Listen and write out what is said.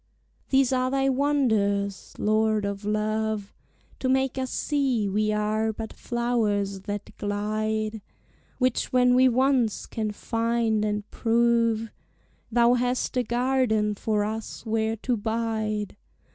These are thy wonders, Lord of love, To make us see we are but flowers that glide; Which when we once can finde and prove, Thou hast a garden for us where to bide.